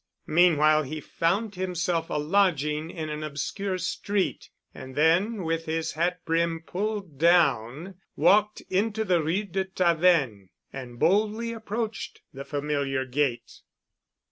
Meanwhile he found himself a lodging in an obscure street and then with his hat brim pulled down walked into the Rue de Tavennes and boldly approached the familiar gate.